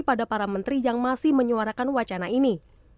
pada para menteri yang masih menyuarakan wacana ini